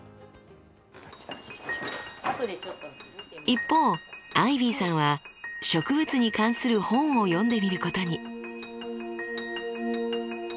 一方アイビーさんは植物に関する本を読んでみることに。